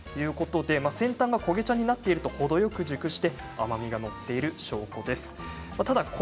先端が焦げ茶になっていると程よく熟して甘みが乗っている証拠です。